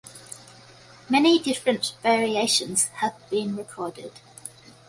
Many different variations have been recorded.